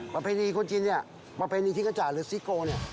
ประเภทนี้คนจีนประเภทนี้ทิศกระจาห์หรือซิโก